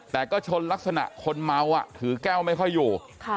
แต่ก็ชนลักษณะคนเมาถือแก้วไม่ค่อยอยู่